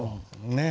ねえ。